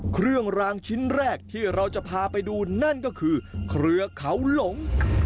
เครื่องรางชิ้นแรกที่เราจะพาไปดูนั่นก็คือเครือเขาหลง